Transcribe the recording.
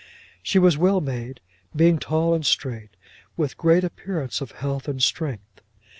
She was well made, being tall and straight, with great appearance of health and strength.